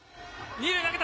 二塁へ投げた。